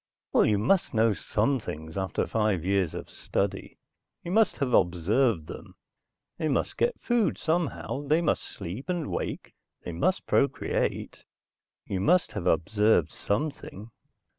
"Well you must know some things after five years of study. You must have observed them. They must get food somehow, they must sleep and wake, they must procreate. You must have observed something."